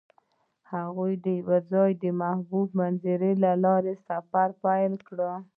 هغوی یوځای د محبوب منظر له لارې سفر پیل کړ.